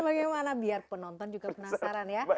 bagaimana biar penonton juga penasaran ya